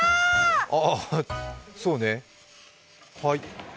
ああ、そうねはい。